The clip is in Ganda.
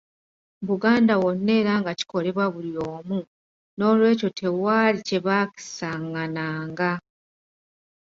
Buganda wonna era nga kikolebwa buli omu, n'olwekyo tewali kye baakisangananga.